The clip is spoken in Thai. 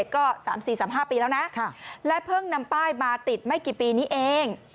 ก็๓๔๓๕ปีแล้วนะและเพิ่งนำป้ายมาติดไม่กี่ปีนี้เอง